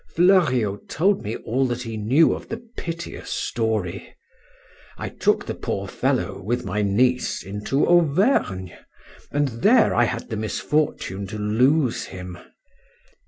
Fleuriot told me all that he knew of the piteous story. I took the poor fellow with my niece into Auvergne, and there I had the misfortune to lose him.